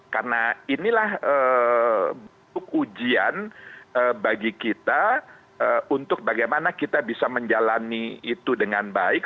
karena inilah buku ujian bagi kita untuk bagaimana kita bisa menjalani itu dengan baik